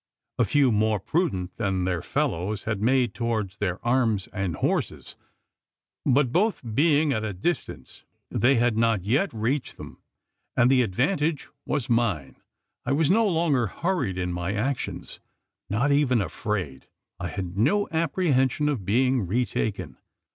A few, more prudent than their fellows, had made towards their arms and horses; but, both being at a distance, they had not yet reached them; and the advantage was mine. I was no longer hurried in my actions not even afraid. I had no apprehension of being retaken.